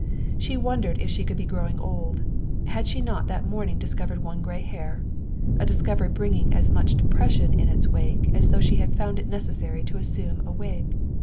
She wondered if she could be growing old; had she not that morning discovered one gray hair 1 a discovery bringing as much depression in its wake as though she had found it neces sary to assume a wig.